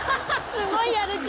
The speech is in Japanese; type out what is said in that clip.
すごいやる気。